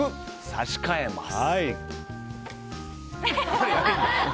差し替えます。